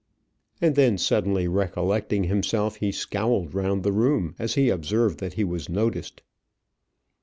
And then suddenly recollecting himself, he scowled round the room as he observed that he was noticed.